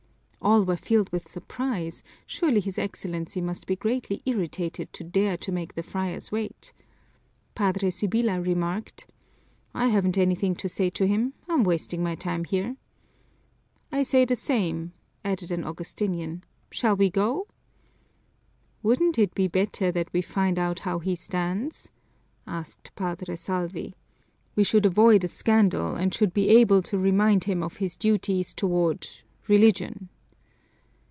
All were filled with surprise; surely his Excellency must be greatly irritated to dare to make the friars wait! Padre Sibyla remarked, "I haven't anything to say to him, I'm wasting my time here." "I say the same," added an Augustinian. "Shall we go?" "Wouldn't it be better that we find out how he stands?" asked Padre Salvi. "We should avoid a scandal, and should be able to remind him of his duties toward religion."